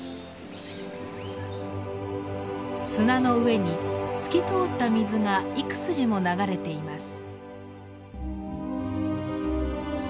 砂の上に透き通った水が幾筋も流れています。